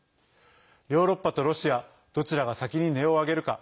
ヨーロッパとロシアどちらが先に音を上げるか。